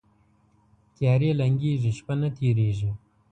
تیارې لنګیږي، شپه نه تیریږي